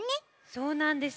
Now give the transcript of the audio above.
そうなんです。